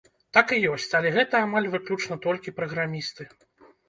Так і ёсць, але гэта амаль выключна толькі праграмісты.